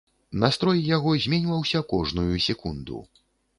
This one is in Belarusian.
Настрой яго зменьваўся кожную секунду.